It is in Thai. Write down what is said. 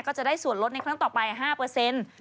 ก็จะได้ส่วนลดในครั้งต่อไป๕เปอร์เซ็นต์